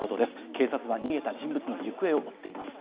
警察は逃げた人物の行方を追っています。